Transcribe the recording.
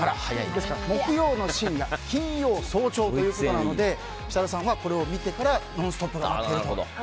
ですから木曜の深夜金曜早朝ということなので設楽さんはこれを見てから「ノンストップ！」にと。